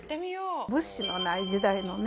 物資のない時代のね